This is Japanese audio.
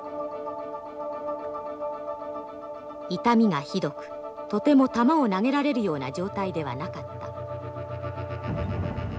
痛みがひどくとても球を投げられるような状態ではなかった。